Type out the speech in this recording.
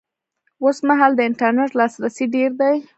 اوس مهال د انټرنېټ لاسرسی ډېر دی